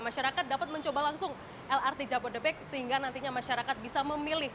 masyarakat dapat mencoba langsung lrt jabodebek sehingga nantinya masyarakat bisa memilih